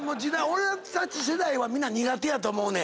俺たち世代はみんな苦手やと思うねん。